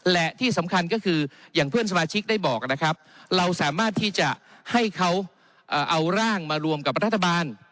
และที่สำคัญก็คืออย่างเพื่อนสมาชิกได้บอกนะครับเราสามารถที่จะให้เขาเอาร่างมารวมกับรัฐบาล